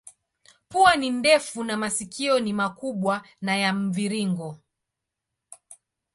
Pua ni ndefu na masikio ni makubwa na ya mviringo.